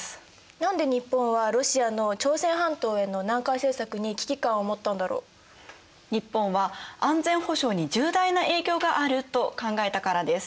何で日本はロシアの朝鮮半島への南下政策に危機感を持ったんだろう？日本は安全保障に重大な影響があると考えたからです。